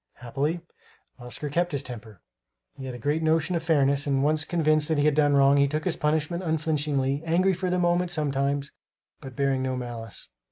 Happily Oscar kept his temper. He had a great notion of fairness and, once convinced that he had done wrong, he took his punishment unflinchingly, angry for the moment, sometimes, but bearing no malice.